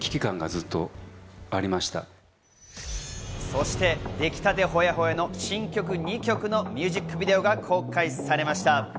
そしてできたてホヤホヤの新曲２曲のミュージックビデオが公開されました。